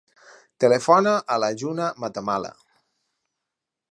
Telefona a la Juna Matamala.